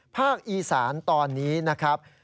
ภาคอีสานตอนนี้นะครับ